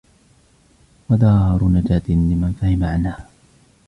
وَدَارُ نَجَاةٍ لِمَنْ فَهِمَ عَنْهَا